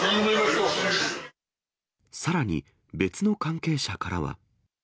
さらに、別の関係者からは。